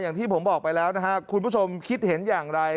อย่างที่ผมบอกไปแล้วนะครับคุณผู้ชมคิดเห็นอย่างไร